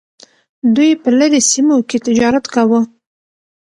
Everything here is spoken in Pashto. دوی په لرې سیمو کې تجارت کاوه